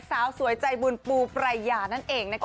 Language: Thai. สาวสวยใจบุญปูปรายานั่นเองนะคะ